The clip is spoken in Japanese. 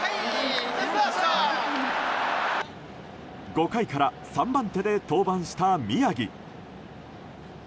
５回から３番手で登板した宮城。